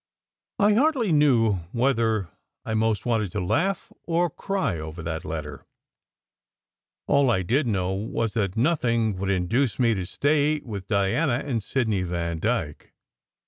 I hardly knew whether I most wanted to laugh or cry over that letter. All I did know was that nothing would induce me to stay with Diana and Sidney Vandyke.